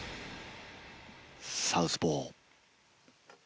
サウスポー。